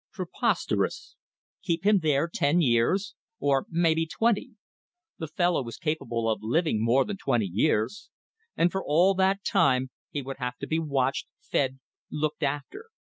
Preposterous! Keep him there ten years or may be twenty! The fellow was capable of living more than twenty years. And for all that time he would have to be watched, fed, looked after.